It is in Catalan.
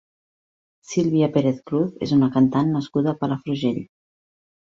Sílvia Pérez Cruz és una cantant nascuda a Palafrugell.